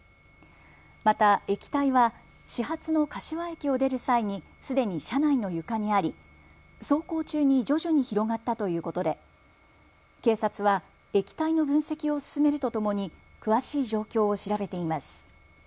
また液体は始発の柏駅を出る際にすでに車内の床にあり走行中に徐々に広がったということで警察は液体の分析を進めるとともに詳しい状況を調べています。